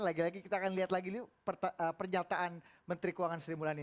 lagi lagi kita akan lihat lagi pernyataan menteri keuangan sri mulyani